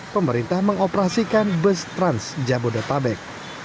pemerintah mengoperasikan bus transjabodetabek